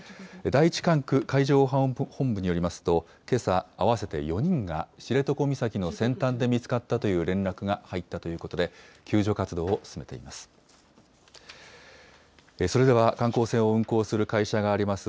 第１管区海上保安本部によりますと、けさ、合わせて４人が知床岬の先端で見つかったという連絡が入ったということで、救助活動を進めています。